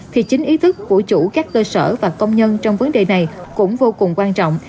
thì chính ý thức của chủ các cơ sở và công nhân trong vấn đề này cũng vô cùng quan trọng